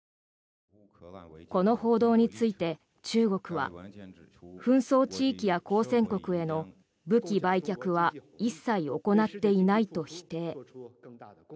この報道について中国は紛争地域や交戦国への武器売却は一切行っていないと否定。